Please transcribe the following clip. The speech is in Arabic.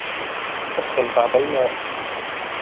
سخن بعض الماء